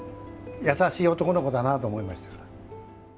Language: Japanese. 優しい男の子だなと思いましたから。